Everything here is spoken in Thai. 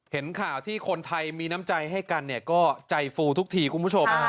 เห็นข่าวที่คนไทยมีน้ำใจให้กันเนี่ยก็ใจฟูทุกทีคุณผู้ชม